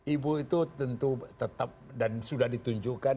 ibu itu tentu tetap dan sudah ditunjukkan